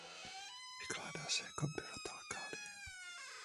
Vykládá se jako „obyvatel Galie“.